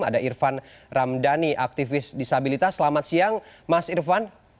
ada irfan ramdhani aktivis disabilitas selamat siang mas irfan